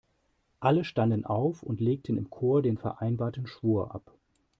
Alle standen auf und legten im Chor den vereinbarten Schwur ab.